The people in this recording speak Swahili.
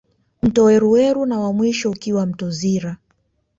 Mto Weruweru na wa mwisho ukiwa ni mto Zira